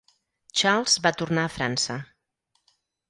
Charles va tornar a França.